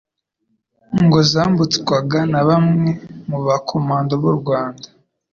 ngo zambutswaga na bamwe mu ba Komando b'u Rwanda